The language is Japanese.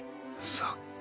そっか。